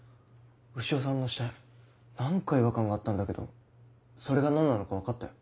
潮さんの死体何か違和感があったんだけどそれが何なのか分かったよ。